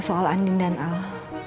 soal andin dan al